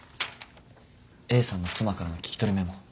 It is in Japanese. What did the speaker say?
Ａさんの妻からの聞き取りメモ。